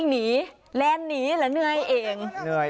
แดนหนีแล้วเนื่อยเอง